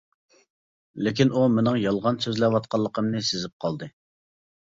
لېكىن ئۇ مېنىڭ يالغان سۆزلەۋاتقانلىقىمنى سېزىپ قالدى.